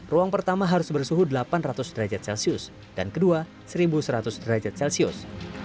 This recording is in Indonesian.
ruang pertama harus bersuhu delapan ratus derajat celcius dan kedua satu seratus derajat celcius